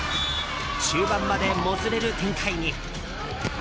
終盤まで、もつれる展開に。